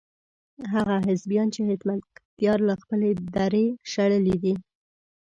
هغه حزبيان چې حکمتیار له خپلې درې شړلي دي.